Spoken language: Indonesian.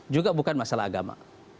juga bukan masalah agama